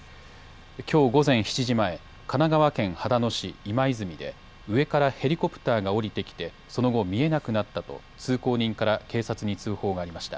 きょう午前７時前、神奈川県秦野市今泉で上からヘリコプターが降りてきてその後、見えなくなったと通行人から警察に通報がありました。